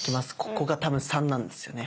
ここが多分３なんですよね。